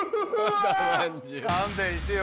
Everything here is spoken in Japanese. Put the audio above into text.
・勘弁してよ